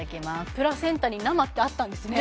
プラセンタに生ってあったんですね